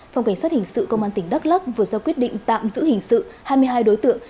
phòng cảnh sát hình sự công an tỉnh đắk lắc vừa ra quyết định tạm giữ hình sự hai mươi hai đối tượng